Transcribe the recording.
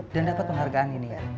dan dapat penghargaan ini ya